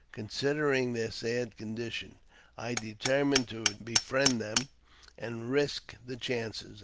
Considering their sad condition, I determined to befriend them, and risk the chances.